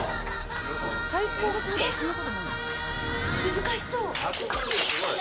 難しそう。